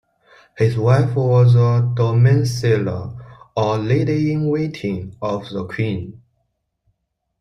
His wife was a "damicellae" or Lady-in-waiting, of the Queen.